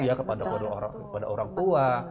ya kepada orang tua